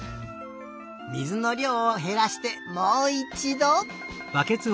水のりょうをへらしてもういちど！